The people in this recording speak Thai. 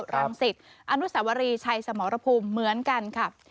รังสิตอนุสวรีชัยสมรภูมิเหมือนกันค่ะ